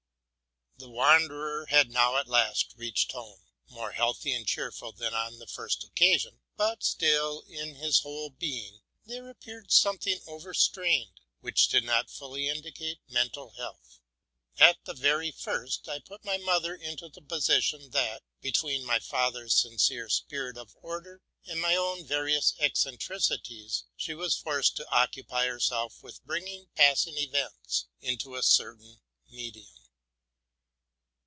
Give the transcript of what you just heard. Tue wanderer had now at last reached home, — more healthy and cheerful than on the first occasion, but still in his whole being there appeared something over strained, which did not fully indicate mental health. At the very first I put my mother into such a position, that, between my father's sincere spirit of order and my own various eccentricities, she was forced to occupy herself with bringing passing events into a certain medium.